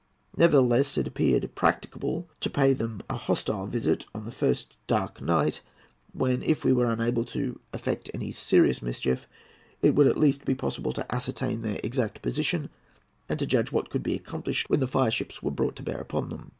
Nevertheless, it appeared practicable to pay them a hostile visit on the first dark night, when, if we were unable to effect any serious mischief, it would at least be possible to ascertain their exact position, and to judge what could be accomplished when the fireships were brought to bear upon them.